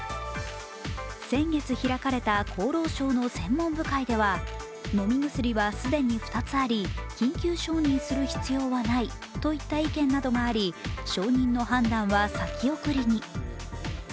先月開かれた厚労省の専門部会では飲み薬は既に２つあり緊急承認する必要はないなどの意見があり承認の判断は先送りに。